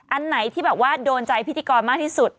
อันไหนที่แบบว่าโดนใจพิธีกรมากที่สุด